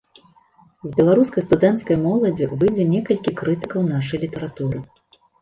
З беларускай студэнцкай моладзі выйдзе некалькі крытыкаў нашай літаратуры.